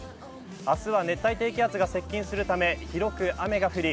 明日は熱帯低気圧が接近するため広く雨が降り